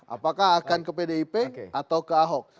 apakah akan ke pdip atau ke ahok